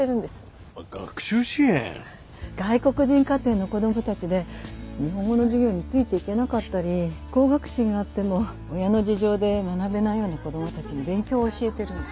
外国人家庭の子供たちで日本語の授業についていけなかったり向学心はあっても家の事情で学べないような子供たちに勉強を教えてるの。